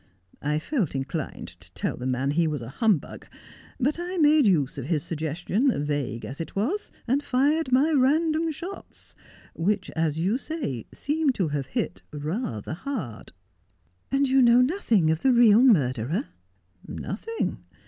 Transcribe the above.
I felt inclined to tell the man he was a humbug ; but I made use of his suggestion, vague as it was, and tired my random shots, which, as you say, seem to have hit rather hard." ' And you know nothing of the real murderer ?'' Nothing.